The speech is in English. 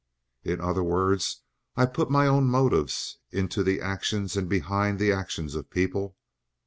"In other words I put my own motives into the actions and behind the actions of people?